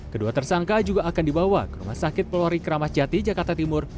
kedua tersangka juga akan dibawa ke rumah sakit peluari keramacati jakarta timur